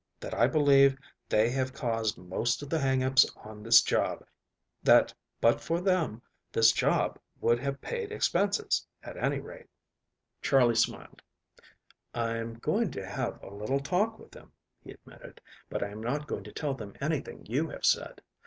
That I believe they have caused most of the hang ups on this job that but for them this job would have paid expenses, at any rate." Charley smiled. "I'm going to have a little talk with them," he admitted, "but I am not going to tell them anything you have said.